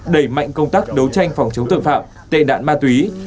đẩy mạnh công tác đấu tranh phòng chống tượng phạm tệ đạn ma túy